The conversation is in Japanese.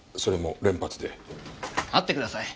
待ってください。